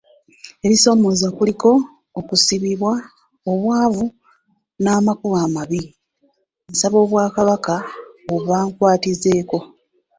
Ebisoomooza kuliko; okusibibwa, obwavu n'amakubo amabi, n'asaba Obwakabaka obakwatizaako.